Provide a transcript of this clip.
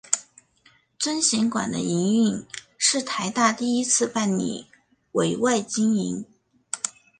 尊贤馆的营运是台大第一次办理委外经营。